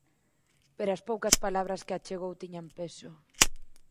Pero as poucas palabras que achegou tiñan peso.